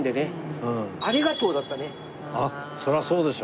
あっそれはそうでしょう。